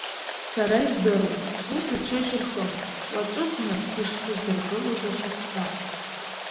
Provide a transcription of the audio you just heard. Сара издыруан урҭ аҽеи шырхымыз, уаҵәызны ишсыздыргылоз ашьацҳәа.